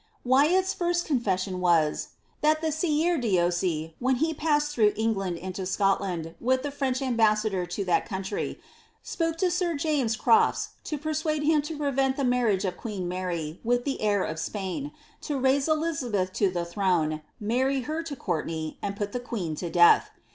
Wyat^s first confession was, ^that the Sieur DH!)ysel1, when he passed through England into Scotland with the French ambassador to that country, spoke to sir James CrofVs to persuade him to prevent tte marriage of queen Bfary, with the heir of Spain, to raise Eliiabeth lo the throne, marry her to Courlenay, and put the queen to death."